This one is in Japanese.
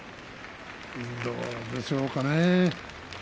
どうでしょうかね。